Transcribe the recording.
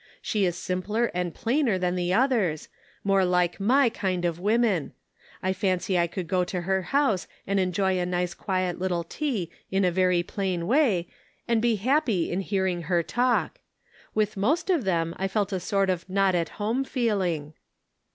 She is simpler and plainer than the others, more like my kind of women. I fancy I could go to her house and enjoy a nice quiet little tea in a very plain way and be happy in hearing her talk. With most of them I felt a sort of not at home feeling."